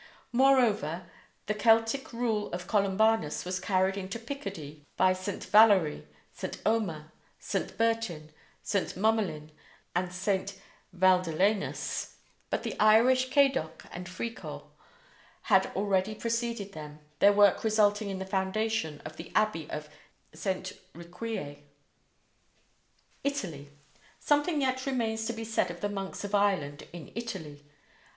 Moreover, the Celtic Rule of Columbanus was carried into Picardy by St. Valery, St. Omer, St. Bertin, St. Mummolin, and St. Valdelenus; but the Irish Caidoc and Fricor had already preceded them, their work resulting in the foundation of the Abbey of St. Riquier. ITALY: Something yet remains to be said of the monks of Ireland in Italy.